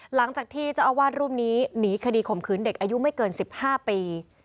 หลังจากที่เจ้าอาวาสรูปนี้หนีคดีข่มขืนเด็กอายุไม่เกิน๑๕ปี